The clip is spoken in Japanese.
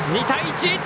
２対１！